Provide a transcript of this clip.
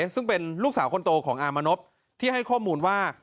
ซึ่งเป็นลูกสาวคนโตของอามนพที่ให้ข้อมูลว่า